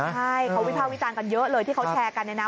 ใช่เขาวิภาควิจารณ์กันเยอะเลยที่เขาแชร์กันเนี่ยนะ